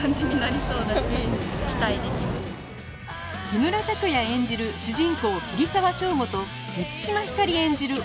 木村拓哉演じる主人公桐沢祥吾と満島ひかり演じる